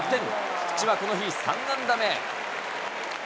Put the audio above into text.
菊池はこの日３安打目。